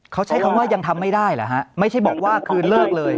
เขาใช้คำว่ายังทำไม่ได้เหรอฮะไม่ใช่บอกว่าคืนเลิกเลย